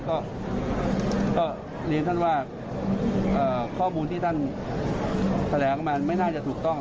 ก็เรียนท่านว่าข้อมูลที่ท่านแถลงออกมาไม่น่าจะถูกต้อง